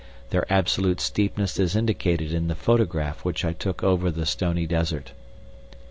Their absolute steepness is indicated in the photograph which I took over the stony desert.